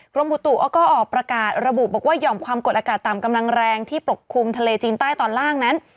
กรมบุตุเขาก็ออกประกาศระบุบอกว่าหย่อมความกดอากาศต่ำกำลังแรงที่ปกคลุมทะเลจีนใต้ตอนล่างนั้น